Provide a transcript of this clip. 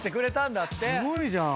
すごいじゃん。